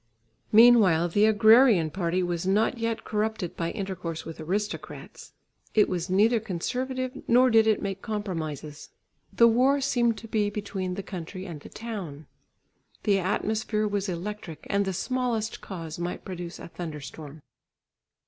Meanwhile, the agrarian party was not yet corrupted by intercourse with aristocrats; it was neither conservative nor did it make compromises. The war seemed to be between the country and the town. The atmosphere was electric and the smallest cause might produce a thunderstorm.